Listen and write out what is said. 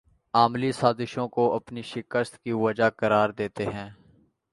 عالمی سازشوں کو اپنی شکست کی وجہ قرار دیتے ہیں